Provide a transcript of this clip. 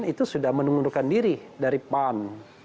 itu sudah mengundurkan diri dari pan